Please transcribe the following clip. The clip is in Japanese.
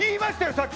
さっき。